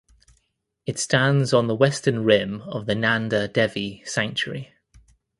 It stands on the western rim of the Nanda Devi Sanctuary.